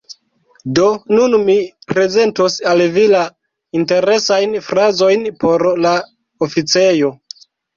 Do nun mi prezentos al vi la interesajn frazojn por la oficejo: